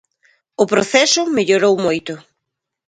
O proceso mellorou moito.